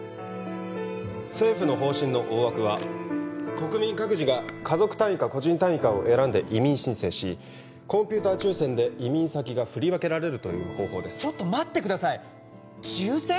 政府の方針の大枠は国民各自が家族単位か個人単位かを選んで移民申請しコンピューター抽選で移民先が振り分けられるという方法ですちょっと待ってください抽選！？